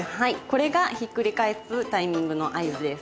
これがひっくり返すタイミングの合図です。